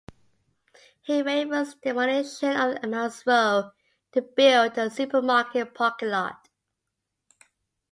He favors the demolition of Admiral's Row to build a supermarket parking lot.